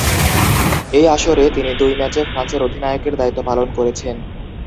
এই আসরে তিনি দুই ম্যাচে ফ্রান্সের অধিনায়কের দায়িত্ব পালন করেছেন।